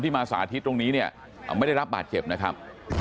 ไม่ได้รับบาดเก็บนะครับ